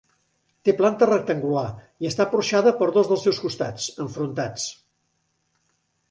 Té planta rectangular i està porxada per dos dels seus costats, enfrontats.